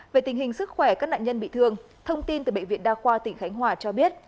về tình hình sức khỏe các nạn nhân bị thương thông tin từ bệnh viện đa khoa tỉnh khánh hòa cho biết